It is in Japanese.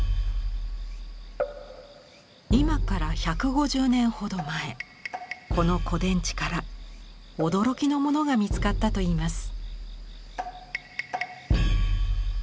今から１５０年ほど前この古殿地から驚きのものが見つかったといいます。